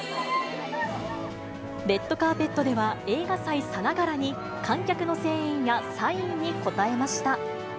レッドカーペットでは、映画祭さながらに観客の声援やサインに応えました。